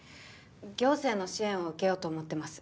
行政の支援を受けようと思ってます